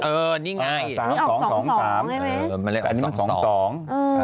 เออนี่ไงเออสามสองสองสามเป็นไรมั้ยไหมเออมันเป็นออกสองสอง